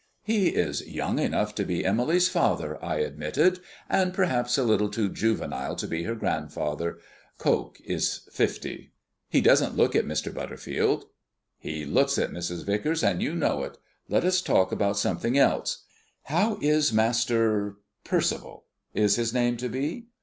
"He is young enough to be Emily's father," I admitted, "and perhaps a little too juvenile to be her grandfather. Coke is fifty." "He doesn't look it, Mr. Butterfield." "He looks it, Mrs. Vicars, and you know it. Let us talk about something else. How is Master Percival, is his name to be?"